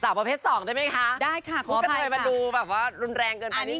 สาวประเภท๒ได้ไหมคะคุณกระโดยมาดูแบบว่ารุนแรงเกินไปนิดนึง